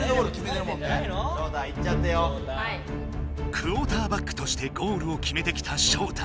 クオーターバックとしてゴールを決めてきたショウタ。